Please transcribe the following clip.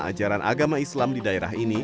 ajaran agama islam di daerah ini